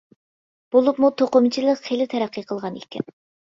بولۇپمۇ توقۇمىچىلىق خېلى تەرەققىي قىلغان ئىكەن.